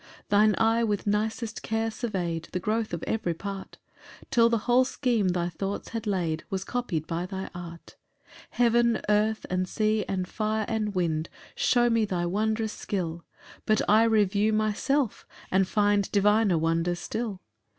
3 Thine eye with nicest care survey'd The growth of every part; Till the whole scheme thy thoughts had laid Was copied by thy art. 4 Heaven, earth, and sea, and fire, and wind, Shew me thy wondrous skill; But I review myself, and find Diviner wonders still.